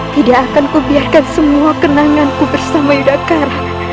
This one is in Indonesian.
tidak akan kubiarkan semua kenanganku bersama yudhakara